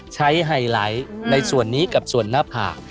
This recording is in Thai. ไฮไลท์ในส่วนนี้กับส่วนหน้าผาก